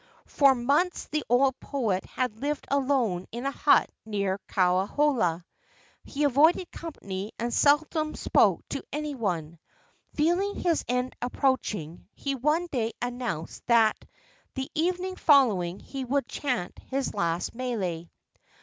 For months the old poet had lived alone in a hut near Kauhola. He avoided company and seldom spoke to any one. Feeling his end approaching, he one day announced that the evening following he would chant his last mele.